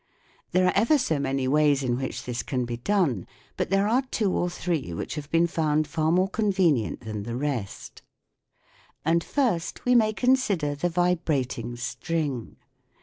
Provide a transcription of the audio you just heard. There are ever so many ways in which this can be done ; but there are two or three which have been found far more convenient than the rest. And first we may consider the vibrating string.